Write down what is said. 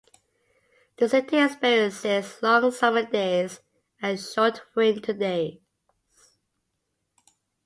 The city experiences long summer days and short winter days.